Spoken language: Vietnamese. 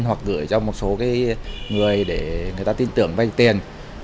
hoặc gửi cho một số người để người ta tin tưởng vay tiền